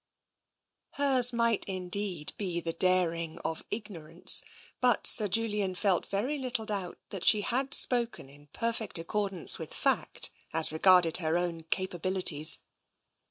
Hers might indeed be the daring of ignorance, but Sir Julian felt very little doubt that she had spoken in perfect accordance with fact, as regarded her own capabilities.